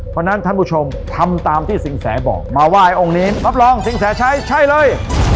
เพราะฉะนั้นท่านผู้ชมทำตามที่สินแสบอกมาไหว้องค์นี้รับรองสิงแสใช้ใช่เลย